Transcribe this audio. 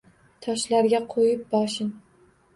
Toshlarga qo’yib boshin